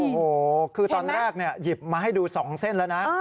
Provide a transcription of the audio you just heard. โอ้โหคือตอนแรกหยิบมาให้ดู๒เส้นแล้วนะ